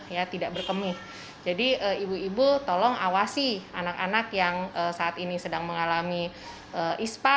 ya tidak berkemih jadi ibu ibu tolong awasi anak anak yang saat ini sedang mengalami ispa